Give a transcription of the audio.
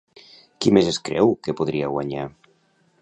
Qui més es creu que podria guanyar?